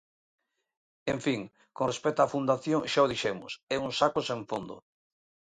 En fin, con respecto á fundación xa o dixemos, é un saco sen fondo.